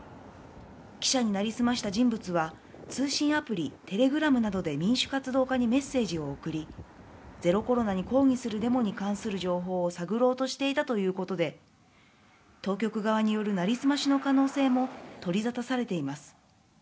記者に成り済ました人物は、通信アプリ、テレグラムなどで民主活動家にメッセージを送り、ゼロコロナに抗議するデモに関する情報を探ろうとしていたということで、当局側による成り済ましの可能性も取り沙汰されています。